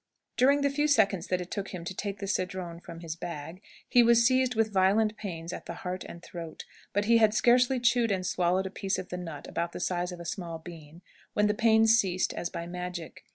During the few seconds that it took him to take the cedron from his bag, he was seized with violent pains at the heart and throat; but he had scarcely chewed and swallowed a piece of the nut about the size of a small bean, when the pains ceased as by magic.